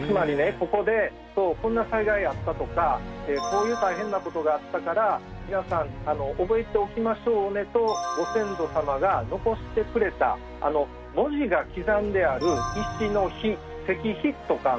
ここでこんな災害あったとかこういう大変なことがあったから皆さん覚えておきましょうねとご先祖様が残してくれた文字が刻んである石の碑石碑とかモニュメントってあるでしょ？